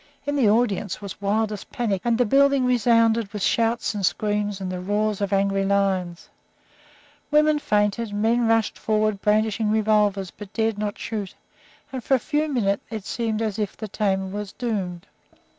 In the audience was wildest panic, and the building resounded with shouts and screams and the roars of angry lions. Women fainted; men rushed forward brandishing revolvers, but dared not shoot; and for a few moments it seemed as if the tamer was doomed.